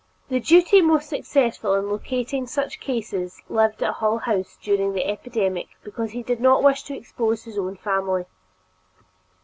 The deputy most successful in locating such cases lived at Hull House during the epidemic because he did not wish to expose his own family.